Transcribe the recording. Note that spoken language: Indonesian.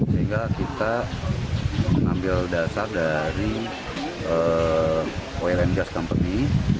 sehingga kita menambil dasar dari wlm gas company